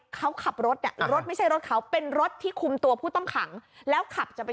เขาขับรถอ่ะรถไม่ใช่รถเขาเป็นรถที่คุมตัวผู้ต้องขังแล้วขับจะไป